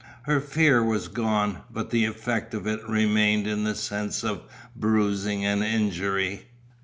Her fear was gone, but the effect of it remained in a sense of bruising and injury.